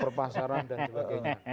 perpacaran dan sebagainya